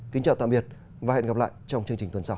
kính chào tạm biệt và hẹn gặp lại trong chương trình tuần sau